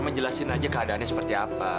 ngejelasin aja keadaannya seperti apa